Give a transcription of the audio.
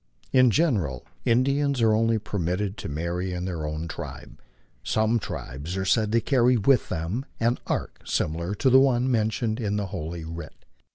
In general Indians are only permitted to marry in their own tribe. Some tribes are said to carry with them an ark similar to the one mentioned in Holy Writ.